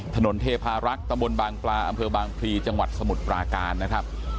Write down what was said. ถนนเทพารักษ์ตบบางปลาอบางพลีจสมุดปราการนะครับ